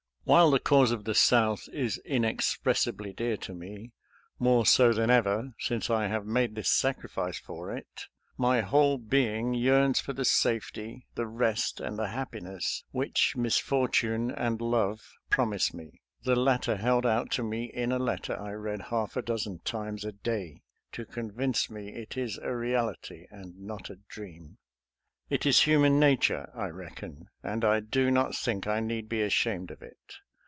While the cause of the South is inexpressibly dear to me — more so than ever, since I have made this sacrifice for it — my whole being yearns for the safety, the rest, and the happiness which misfortune and love promise me — the latter held out to me in a letter I read half a dozen times a day to convince me it is a reality and not a dream. It is human nature, I reckon, and I do not think I need be ashamed of it.